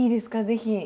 ぜひ。